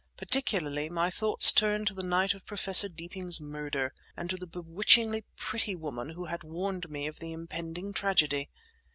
Particularly, my thoughts turned to the night of Professor Deeping's murder, and to the bewitchingly pretty woman who had warned me of the impending tragedy.